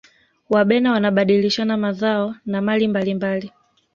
wabena wanabadilishana mazao na mali mbalimbali